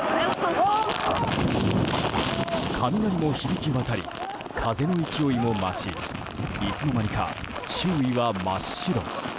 雷も響き渡り、風の勢いも増しいつの間にか、周囲は真っ白。